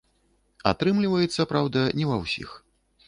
Атрымліваецца, праўда, не ва ўсіх.